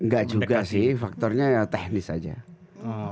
gak juga sih faktornya teknis aja gitu loh cak